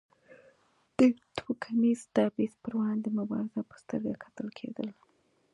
د توکمیز تبیض پر وړاندې مبارز په سترګه کتل کېدل.